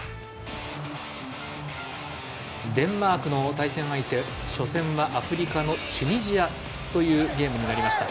デンマークの対戦相手初戦はアフリカのチュニジアということになりました。